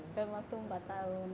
dalam waktu empat tahun